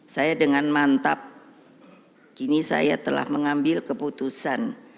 saya dengan mantap kini saya telah mengambil keputusan